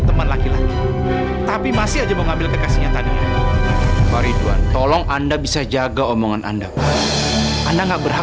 sampai jumpa di video selanjutnya